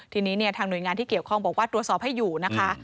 ทีนี้เนี่ยทางหน่วยงานที่เกี่ยวข้องบอกว่าตรวจสอบให้อยู่นะคะ